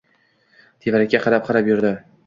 Tevarakka qarab-qarab yurdi.